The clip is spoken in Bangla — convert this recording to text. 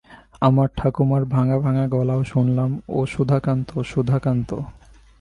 আমার ঠাকুরমার ভাঙা-ভাঙা গলাও শুনলাম-ও সুধাকান্ত, সুধাকান্ত।